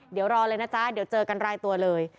เดี๋ยวรอเลยนะจ๊ะเดี๋ยวเจอกันรายตัวเลย